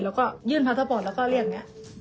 เราก็ยื่นพัสเตอร์พอร์ตแล้วก็เรียกอย่างเนี้ย